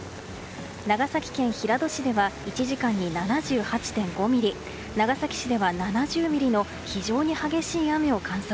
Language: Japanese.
長崎県平戸市では１時間に７８．５ミリ長崎市では７０ミリの非常に激しい雨を観測。